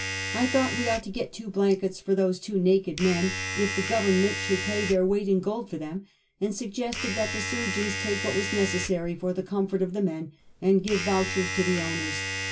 I thought we ought to get two blankets for those two naked men, if the Government should pay their weight in gold for them ; and suggested tliat the surgeons take what was necessary for the comfort of the men, and give vouchers to the owners.